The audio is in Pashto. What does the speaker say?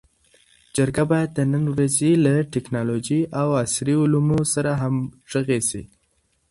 جرګه باید د نن ورځې له ټکنالوژۍ او عصري علومو سره همږغي سي.